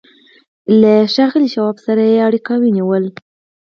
له ښاغلي شواب سره یې اړیکه ونیوه